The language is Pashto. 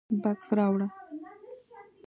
_بکس راوړه.